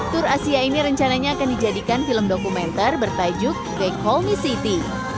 tur asia ini rencananya akan dijadikan film dokumenter bertajuk the call me city